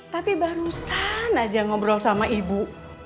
tapi barusan aja ngobrol sama ibu